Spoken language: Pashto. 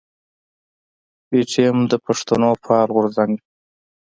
پي ټي ايم د پښتنو فعال غورځنګ دی.